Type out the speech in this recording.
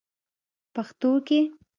پښتو کې: